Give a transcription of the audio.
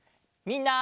みんな！